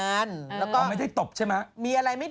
แล้วก็ไม่ได้ตบใช่ไหม